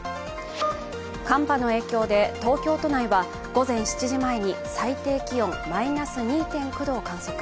寒波の影響で東京都内は午前７時前に最低気温マイナス２．９度を観測。